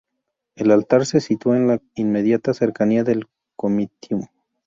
El altar se sitúa en la inmediata cercanía del "Comitium".